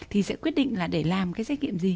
thì sẽ quyết định là để làm cái xét nghiệm gì